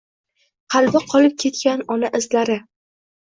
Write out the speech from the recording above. qalbi qolib ketgan ona izlari